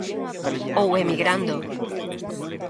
Ou emigrando.